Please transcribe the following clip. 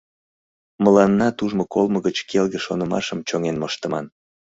Мыланнат ужмо-колмо гыч келге шонымашым чоҥен моштыман.